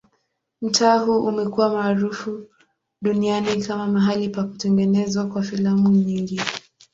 Mtaa huu umekuwa maarufu duniani kama mahali pa kutengenezwa kwa filamu nyingi.